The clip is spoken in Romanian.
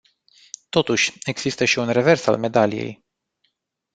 Totuși, există și un revers al medaliei.